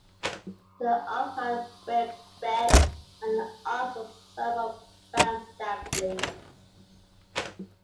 The Afghan Whigs, Beck, and the Odds were some of the bands that played.